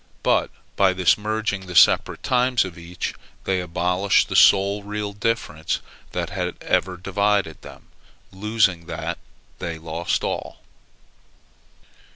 But by thus merging the separate times of each, they abolished the sole real difference that had ever divided them. Losing that, they lost all.